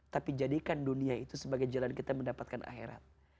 tapi jadikan dunia itu sebagai jalan kita mendapatkan akhirat